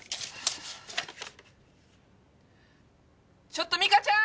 ちょっとミカちゃーん！